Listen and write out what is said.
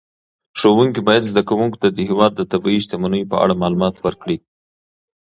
ښوونکي باید زده کوونکو ته د هېواد د طبیعي شتمنیو په اړه معلومات ورکړي.